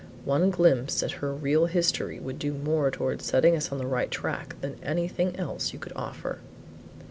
One glimpse at her real history would do more towards setting us on the right track than anything else you could offer."